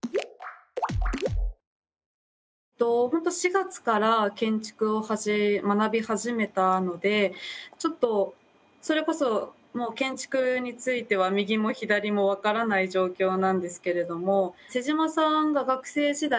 ４月から建築を学び始めたのでそれこそ建築については右も左も分からない状況なんですけれども妹島さんが学生時代